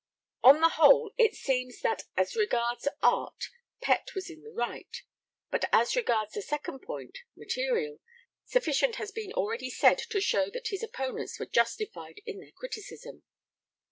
On the whole, it seems that as regards 'art' Pett was in the right; but as regards the second point, 'material,' sufficient has been already said to show that his opponents were justified in their criticism.